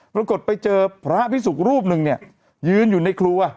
ปรากฏไปเจอพระพิสุขรูปนึงยืนอยู่ในครู